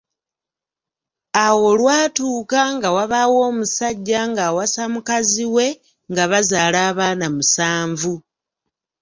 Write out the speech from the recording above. Awo olwatuuka nga wabaawo omusajja ng’awasa mukazi we nga bazaala abaana musanvu.